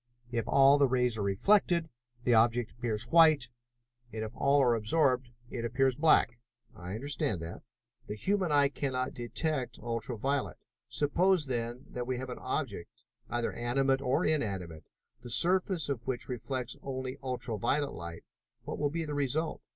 If all the rays are reflected, the object appears white, and if all are absorbed, it appears black." "I understand that." "The human eye cannot detect ultra violet. Suppose then, that we have an object, either animate or inanimate, the surface of which reflects only ultra violet light, what will be the result?